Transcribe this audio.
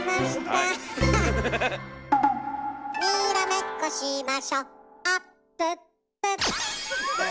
「にらめっこしましょ」「あっぷっぷ」